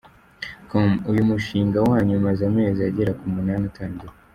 com : Uyu mushinga wanyu umaze amezi agera ku munani utangiye.